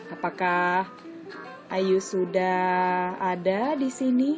apakah ayu sudah ada di sini